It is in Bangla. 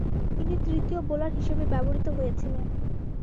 তিনি তৃতীয় বোলার হিসেবে ব্যবহৃত হয়েছিলেন।